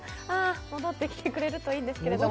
戻ってきてくれるといいんですけれども。